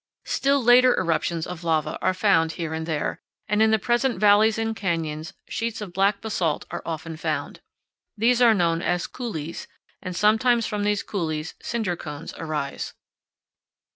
Still later eruptions of lava are found here and there, and in the present valleys and canyons sheets of black basalt are often found. These are known as coulees, and sometimes from these coulees cinder cones arise.